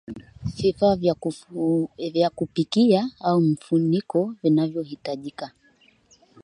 Vifaa vya kupikia au mfuniko vinavyohitajika